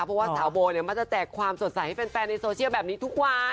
เพราะว่าสาวโบเนี่ยมักจะแจกความสดใสให้แฟนในโซเชียลแบบนี้ทุกวัน